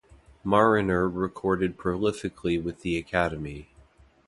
Marriner recorded prolifically with the Academy.